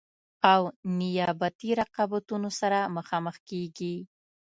او نیابتي رقابتونو سره مخامخ کیږي.